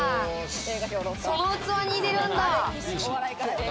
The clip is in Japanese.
その器に入れるんだ。